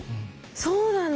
そうなんだ。